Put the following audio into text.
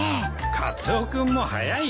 カツオ君も早いよ。